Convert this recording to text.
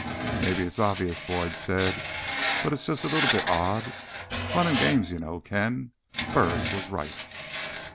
"Maybe it's obvious," Boyd said, "but it is just a little bit odd. Fun and games. You know, Ken, Burris was right."